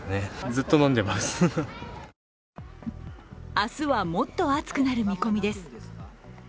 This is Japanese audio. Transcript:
明日はもっと暑くなる見込みです。